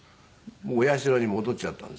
お社に戻っちゃったんですね。